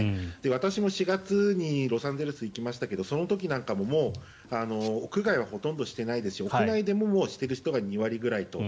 私も４月にロサンゼルスに行きましたけどその時なんかももう、屋外はほとんどしていないですし屋内でも、もうしてる人が２割ぐらいと。